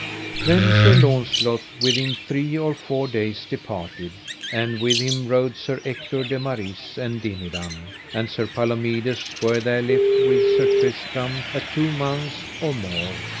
Then Sir Launcelot within three or four days departed, and with him rode Sir Ector de Maris; and Dinadan and Sir Palomides were there left with Sir Tristram a two months and more.